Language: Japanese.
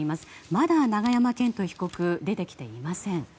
まだ永山絢斗被告出てきていません。